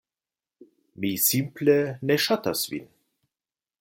Mi simple ne ŝatas vin.